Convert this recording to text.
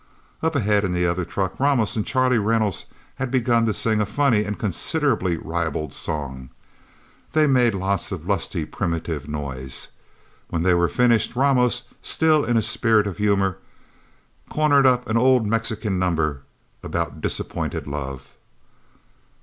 Up ahead, in the other truck, Ramos and Charlie Reynolds had begun to sing a funny and considerably ribald song. They made lots of lusty, primitive noise. When they were finished, Ramos, still in a spirit of humor, corned up an old Mexican number about disappointed love.